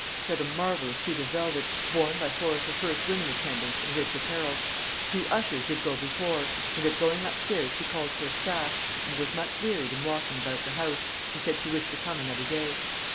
She had a marvellous suit of velvet, borne by four of her first women attendants in rich apparel; two ushers did go before; and at going up stairs she called for a staff, and was much wearied in walking about the house, and said she wished to come another day.